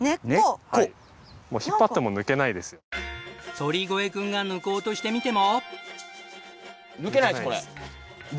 鳥越君が抜こうとしてみても。